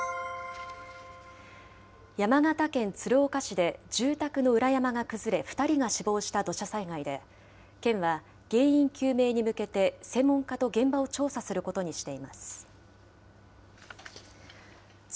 山形県鶴岡市で住宅の裏山が崩れ、２人が死亡した土砂災害で、県は原因究明に向けて、専門家と現場を調査することにしています。